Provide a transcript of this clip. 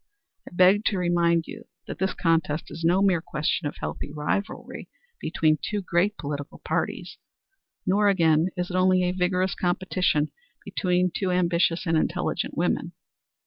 I beg to remind you that this contest is no mere question of healthy rivalry between two great political parties; nor again is it only a vigorous competition between two ambitious and intelligent women.